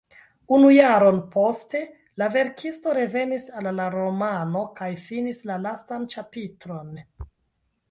Unu jaron poste la verkisto revenis al la romano kaj finis la lastan ĉapitron.